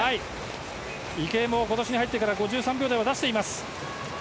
池江も今年に入ってから５３秒台を出しています。